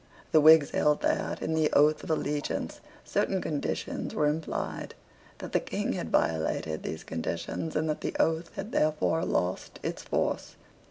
The Whigs held that, in the oath of allegiance, certain conditions were implied, that the King had violated these conditions, and that the oath had therefore lost its force.